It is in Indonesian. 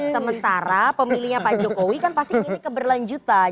sementara pemilihnya pak jokowi kan pasti ini keberlanjutan